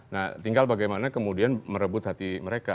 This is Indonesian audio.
nah tinggal bagaimana kemudian merebut hati mereka